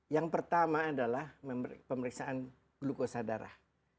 yang pertama adalah pemeriksaan glukosa darah